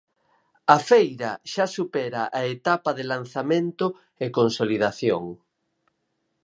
A Feira xa supera a etapa de lanzamento e consolidación.